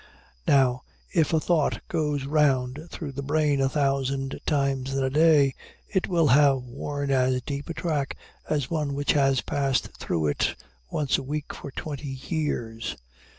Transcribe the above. Now, if a thought goes round through the brain a thousand times in a day, it will have worn as deep a track as one which has passed through it once a week for twenty years.